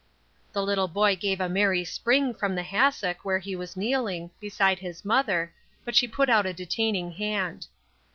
The little boy gave a merry spring from the hassock where he was kneeling, beside his mother, but she put out a detaining hand.